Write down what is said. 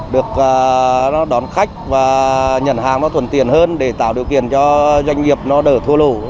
được đón khách và nhận hàng thuần tiền hơn để tạo điều kiện cho doanh nghiệp đỡ thua lù